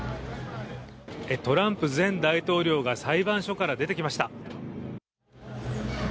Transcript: トランプ前大統領が裁判所から出てきました。